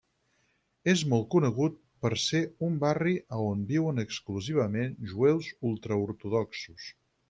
És molt conegut per ser un barri a on viuen exclusivament jueus ultraortodoxos.